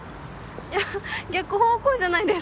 いや逆方向じゃないですか。